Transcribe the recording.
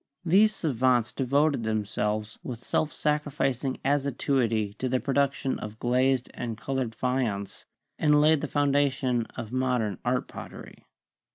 These savants devoted them selves with self sacrificing assiduity to the production of glazed and colored faience, and laid the foundation of mod ern art pottery.